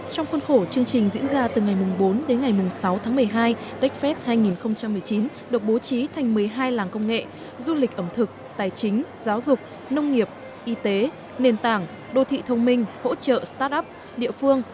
trong khuôn khổ chương trình diễn ra từ ngày bốn đến ngày sáu tháng một mươi hai techfest hai nghìn một mươi chín được bố trí thành một mươi hai làng công nghệ du lịch ẩm thực tài chính giáo dục nông nghiệp y tế nền tảng đô thị thông minh hỗ trợ start up địa phương